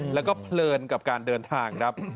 แล้วก็เพลินกับการเดินทางครับ